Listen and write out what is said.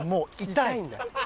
痛いんだ。